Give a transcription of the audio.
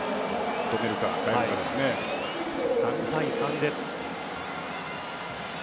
３対３です。